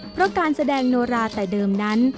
เพราะการแสดงโนราแต่เดิมนั้น